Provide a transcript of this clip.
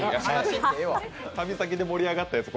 旅先で盛り上がったやつ